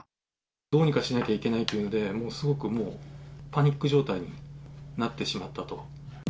どうにかしなきゃいけないというので、もうすごく、もうパニック状態になってしまったと。